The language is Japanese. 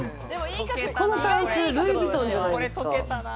このタンス、ルイ・ヴィトンじゃないですか？